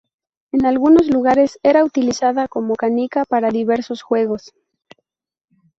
En algunos lugares era utilizada como canica para diversos juegos.